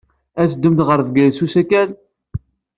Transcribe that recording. Ad teddumt ɣer Bgayet s usakal?